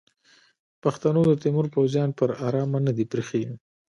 پښتنو د تیمور پوځیان پر ارامه نه دي پریښي.